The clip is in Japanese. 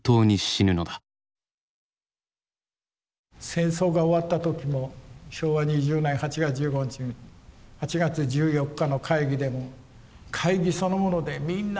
戦争が終わった時も昭和２０年８月１５日に８月１４日の会議でも会議そのものでみんな泣いてますね。